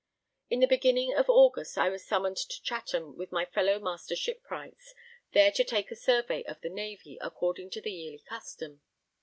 In the beginning of August I was summoned to Chatham with my fellow Master Shipwrights, there to take a survey of the Navy according to the yearly custom.